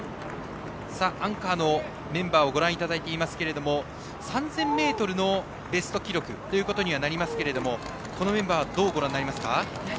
アンカーのメンバーをご覧いただいていますけれども３０００ｍのベスト記録となりますがこのメンバーをどうご覧になりますか。